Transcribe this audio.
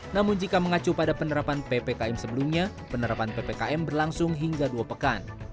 namun jika mengacu pada penerapan ppkm sebelumnya penerapan ppkm berlangsung hingga dua pekan